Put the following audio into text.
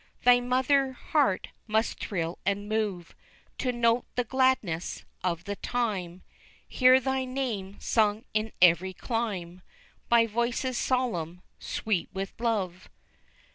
Thy mother heart must thrill and move To note the gladness of the time, Hear thy name sung in every clime By voices solemn sweet with love.